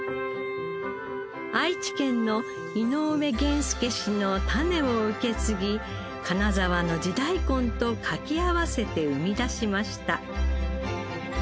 愛知県の井上源助氏のタネを受け継ぎ金沢の地大根とかけ合わせて生み出しました。